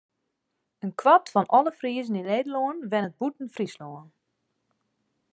In kwart fan alle Friezen yn Nederlân wennet bûten Fryslân.